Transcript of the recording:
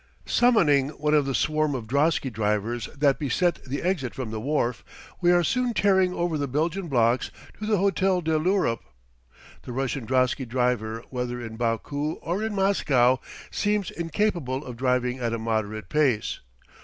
Summoning one of the swarm of drosky drivers that beset the exit from the wharf, we are soon tearing over the Belgian blocks to the Hotel de l'Europe. The Russian drosky driver, whether in Baku or in Moscow, seems incapable of driving at a moderate pace.